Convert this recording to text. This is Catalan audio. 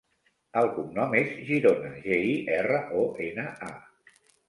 El cognom és Girona: ge, i, erra, o, ena, a.